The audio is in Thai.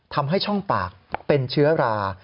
ทำให้ช่องปากเป็นเชื้อรา